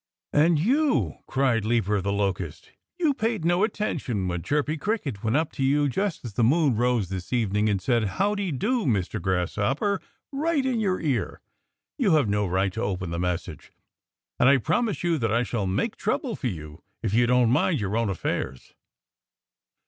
"And you " cried Leaper the Locust "you paid no attention when Chirpy Cricket went up to you just as the moon rose this evening and said, 'How dy do, Mr. Grasshopper!' right in your ear. You have no right to open the message. And I promise you that I shall make trouble for you if you don't mind your own affairs."